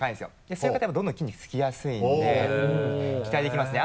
そういう方はどんどん筋肉付きやすいんで期待できますね。